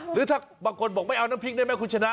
หรือถ้าบางคนบอกไม่เอาน้ำพริกได้ไหมคุณชนะ